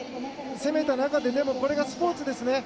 攻めた中ででも、これがスポーツですね。